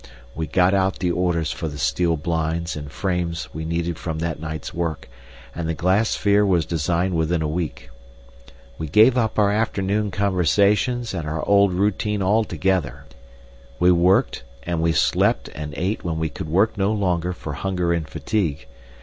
We got out the orders for the steel blinds and frames we needed from that night's work, and the glass sphere was designed within a week. We gave up our afternoon conversations and our old routine altogether. We worked, and we slept and ate when we could work no longer for hunger and fatigue.